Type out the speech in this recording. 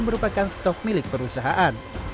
merupakan stok milik perusahaan